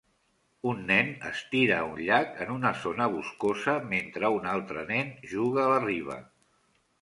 Un nen es tira a un llac en una zona boscosa mentre un altre nen juga a la riba.